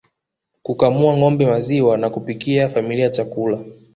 Kukamua ngombe maziwa na kupikia familia chakula